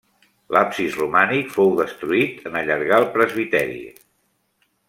L'absis romànic fou destruït en allargar el presbiteri.